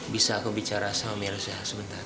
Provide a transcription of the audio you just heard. bisa aku bicara sama mirza sebentar